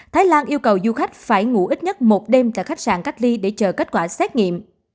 thái lan yêu cầu du khách phải ngủ ít nhất một đêm tại khách sạn cách ly để chờ kết quả xét nghiệm